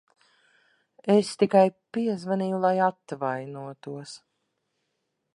Es tikai piezvanīju, lai atvainotos.